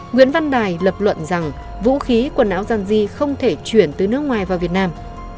nguyễn văn đài lập luận rằng vũ khí quần áo dân di không thể chuyển từ nước ngoài vào việt nam